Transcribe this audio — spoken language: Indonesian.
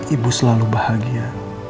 ibu selalu bahagia